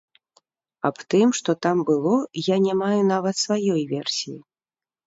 Аб тым, што там было, я не маю нават сваёй версіі.